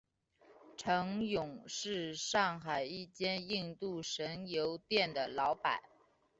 程勇是上海一间印度神油店的老板。